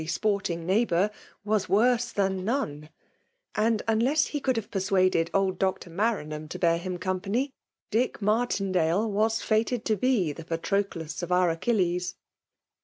sporting neighbour/ was worse tbra ajOfie; and, unless ho could have persuaded old Dt, Maranham to bear him company/ Dick MturMndide was fated to be tiie Patrodus of our .Achilles.